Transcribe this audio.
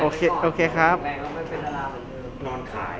โอเคโอเคครับนอนขาย